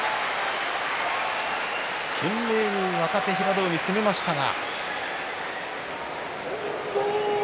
懸命に若手、平戸海攻めましたが。